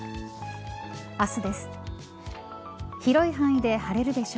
明日です。